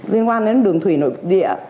liên quan đến đường thủy nội địa